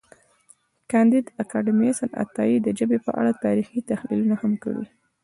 کانديد اکاډميسن عطایي د ژبې په اړه تاریخي تحلیلونه هم کړي دي.